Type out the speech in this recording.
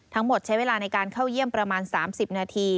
ทั้งหมดใช้เวลาในการเข้าเยี่ยมประมาณ๓๐นาที